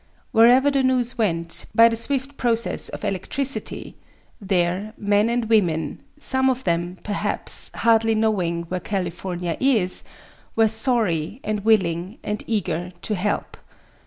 Wherever the news went, by the swift processes of electricity, there men and women, some of them, perhaps, hardly knowing where California is, were sorry and willing and eager to help.